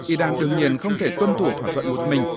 iran đương nhiên không thể tuân thủ thỏa thuận một mình